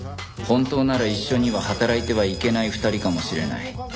本当なら一緒には働いてはいけない２人かもしれない